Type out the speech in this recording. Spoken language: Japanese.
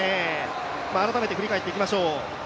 改めて振り返っていきましょう。